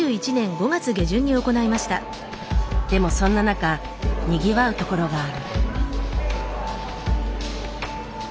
でもそんな中にぎわうところがある。